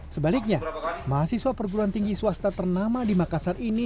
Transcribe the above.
sebaliknya mahasiswa perguruan tinggi swasta ternama di makassar ini